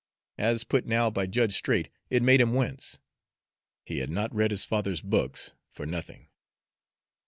As put now by Judge Straight, it made him wince. He had not read his father's books for nothing.